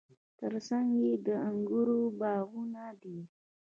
ترڅنګ یې د انګورو باغونه دي.